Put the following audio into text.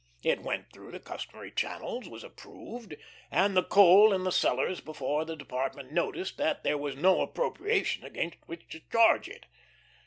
It went through the customary channels, was approved, and the coal in the cellars before the Department noticed that there was no appropriation against which to charge it.